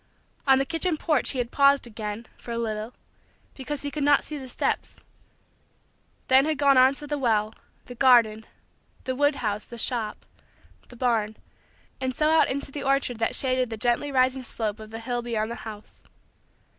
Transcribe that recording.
On the kitchen porch he had paused again, for a little, because he could not see the steps; then had gone on to the well, the garden, the woodhouse, the shop, the barn, and so out into the orchard that shaded the gently rising slope of the hill beyond the house.